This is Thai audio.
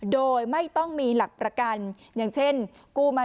โดยไม่ต้องมีหลักประกันอย่างเช่นกู้มา